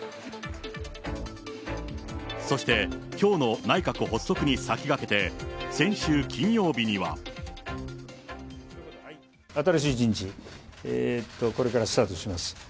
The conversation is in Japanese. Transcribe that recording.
そして、きょうの内閣発足に先駆けて、先週金曜日には。新しい人事、これからスタートします。